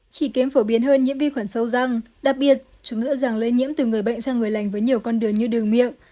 chỉ kém phổ biến hơn nhiễm vi khuẩn sâu răng đặc biệt chúng nghĩ rằng lây nhiễm từ người bệnh sang người lành với nhiều con đường như đường miệng